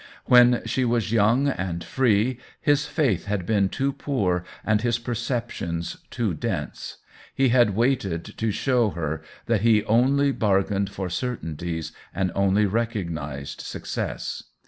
When she was young and free his faith had been too poor and his perceptions too dense ; he had waited to show her that he only bargained for certainties and only recognized success.